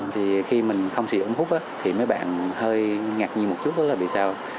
thì khi mình không sử dụng ống hút thì mấy bạn hơi ngạc nhiên một chút là vì sao